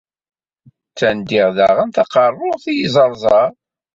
Ttandiɣ daɣen taqerrut i yiẓerẓar.